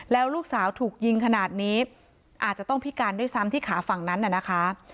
แล้วลูกสาวถูกยิงขนาดนี้อาจจะต้องพิการด้วยซ้ำที่ขาฝั่งนั้นน่ะนะคะ